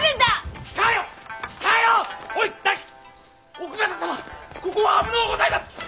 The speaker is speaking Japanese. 奥方様ここは危のうございます！